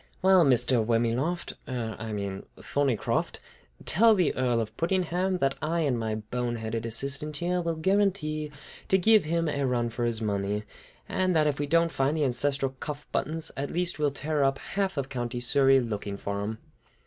Well, Mr. Wormyloft, er, I mean Thorneycroft, tell the Earl of Puddingham that I and my bone headed assistant here will guarantee to give him a run for his money, and that if we don't find the ancestral cuff buttons, at least we'll tear up half of County Surrey looking for them!"